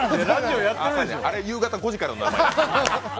あれ夕方５時からなんで。